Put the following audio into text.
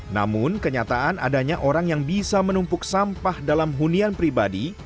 namun kenyataan adanya orang yang bisa menumpuk sampah dalam hunian pribadi